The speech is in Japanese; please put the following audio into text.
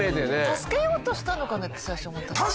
助けようとしたのかねって最初思ったんだけど。